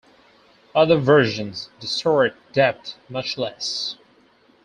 Other versions distort depth much less.